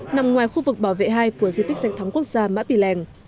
nằm ngoài khu vực bảo vệ hai của di tích danh thắng quốc gia mã pì lèng